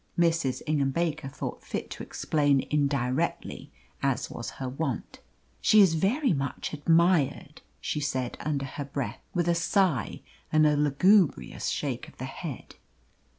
Mrs. Ingham Baker thought fit to explain indirectly, as was her wont. "She is very much admired," she said under her breath, with a sigh and a lugubrious shake of the head.